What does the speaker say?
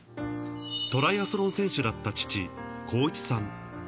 トライアスロン選手だった父、浩一さん。